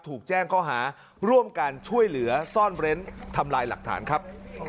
ถูกแจ้งข้อหาร่วมการช่วยเหลือซ่อนเร้นทำลายหลักฐานครับ